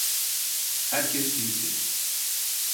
Herkes binsin!